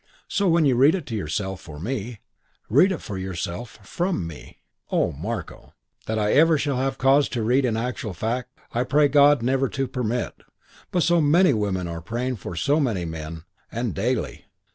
So when you read it to yourself for me, read it for yourself from me. Oh, Marko "That I ever shall have cause to read it in actual fact I pray God never to permit. But so many women are praying for so many men, and daily